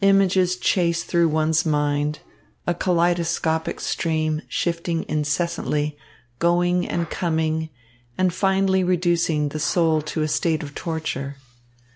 Images chase through one's mind, a kaleidoscopic stream, shifting incessantly, going and coming, and finally reducing the soul to a state of torture.